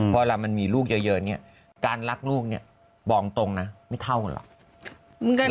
เวลามันมีลูกเยอะเนี่ยการรักลูกเนี่ยบอกตรงนะไม่เท่ากันหรอก